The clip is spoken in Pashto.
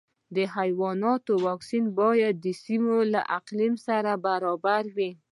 د حیواناتو واکسین باید د سیمې له اقلیم سره برابر وي.